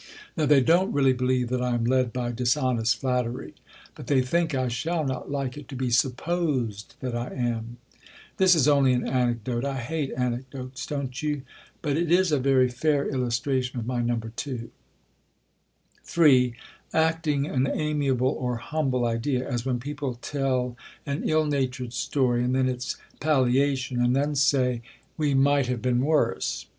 Now they don't really believe that I am led by "dishonest flattery." But they think I shall not like it to be supposed that I am. This is only an anecdote (I hate anecdotes, don't you?). But it is a very fair illustration of my No. 2. (3) Acting an amiable or humble idea: as when people tell an ill natured story and then its palliation, and then say "We might have been worse."